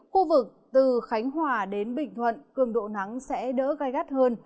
khu vực từ khánh hòa đến bình thuận cường độ nắng sẽ đỡ gai gắt hơn